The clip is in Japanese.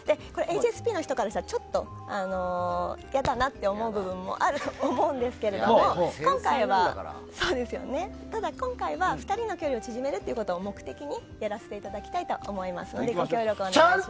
ＨＳＰの人からしたらちょっと嫌だなと思う部分もあると思うんですけども今回は、２人の距離を縮めることを目的にやらせていただきたいと思いますのでご協力をお願いします。